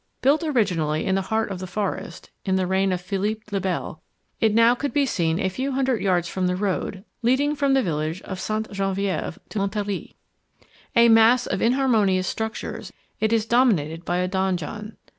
Built originally in the heart of the forest, in the reign of Philip le Bel, it now could be seen a few hundred yards from the road leading from the village of Sainte Genevieve to Monthery. A mass of inharmonious structures, it is dominated by a donjon.